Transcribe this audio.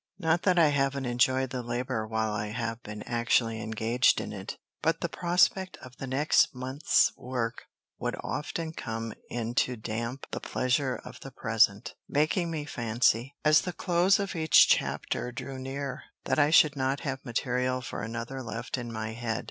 Not that I haven't enjoyed the labor while I have been actually engaged in it, but the prospect of the next month's work would often come in to damp the pleasure of the present; making me fancy, as the close of each chapter drew near, that I should not have material for another left in my head.